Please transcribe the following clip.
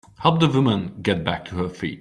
Help the woman get back to her feet.